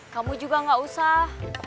kamu juga gak usah